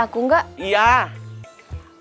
jadi mau ngelatih aku gak